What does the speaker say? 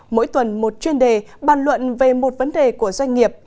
mỗi tuần một chuyên đề bàn luận về một vấn đề của doanh nghiệp